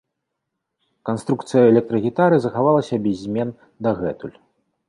Канструкцыя электрагітары захавалася без змен дагэтуль.